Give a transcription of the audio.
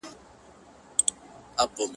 چي اَیینه وي د صوفي او میخوار مخ ته,